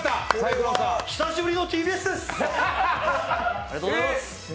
久しぶりのＴＢＳです。